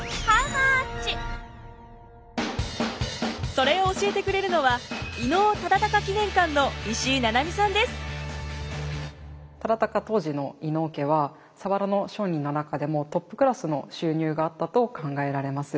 それを教えてくれるのは忠敬当時の伊能家は佐原の商人の中でもトップクラスの収入があったと考えられます。